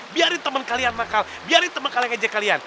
biarin temen kalian nakal biarin temen kalian ajak kalian